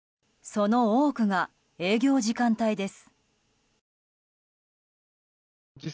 その多くが営業時間帯です。